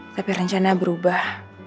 tapi rencana berubah